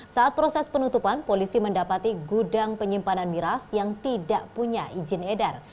saat proses penutupan polisi mendapati gudang penyimpanan miras yang tidak punya izin edar